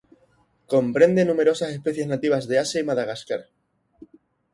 Comprende numerosas especies nativas de Asia y Madagascar.